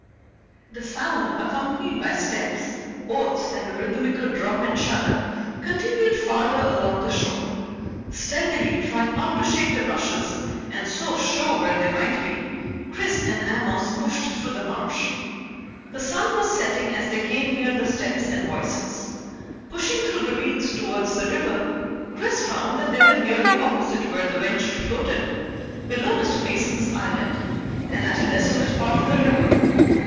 The sound, accompanied by steps, oaths, and a rhythmical drop and shudder, continued farther along the shore. Stealthily, trying not to shake the rushes and so show where they might be, Chris and Amos pushed through the marsh. The sun was setting as they came near the steps and voices. Pushing through the reeds towards the river, Chris found that they were nearly opposite where the Venture floated, below Mr. Mason's island, and at a desolate part of the river.